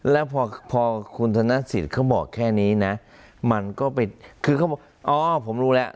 แล้วพอคุณธนสิทธิ์เขาบอกแค่นี้นะมันก็ไปคือเขาบอกอ๋อผมรู้แล้ว